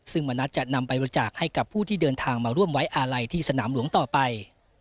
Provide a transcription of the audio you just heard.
ซึ่งมณัฐจะนำไปบริจาคให้กับผู้ที่เดินทางมาร่วมไว้อาลัยที่สนามหลวงต่อไป